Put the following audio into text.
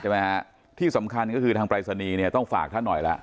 ฮะที่สำคัญก็คือทางปรายศนีย์เนี่ยต้องฝากท่านหน่อยละ